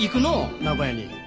名古屋に。